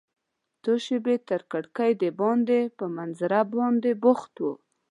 څو شیبې تر کړکۍ دباندې په منظره باندې بوخت وم.